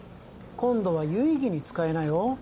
今度は有意義に使いなよ